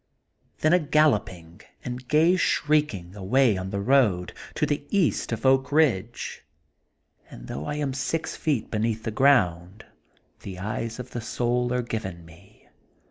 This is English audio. Then a galloping and gay shrieking, away on the road, to the East of Oak Eidgel And though I am six feet beneath the ground the eyes of the soul are given me.